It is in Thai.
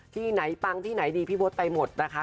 ที่ไหนปังที่ไหนดีพี่มดไปหมดนะคะ